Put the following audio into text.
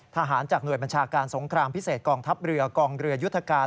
ทหารจากหน่วยบัญชาการสงครามพิเศษกองทัพเรือกองเรือยุทธการ